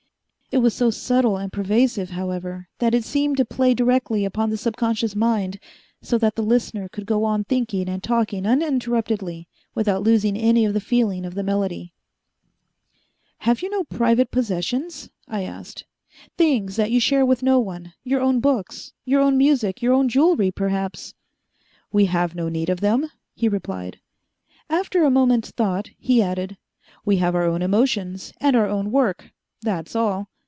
It was so subtle and pervasive, however, that it seemed to play directly upon the subconscious mind, so that the listener could go on thinking and talking uninterruptedly without losing any of the feeling of the melody. "Have you no private possessions?" I asked. "Things that you share with no one? Your own books, your own music, your own jewelry, perhaps?" "We have no need of them," he replied. After a moment's thought, he added, "We have our own emotions, and our own work that's all.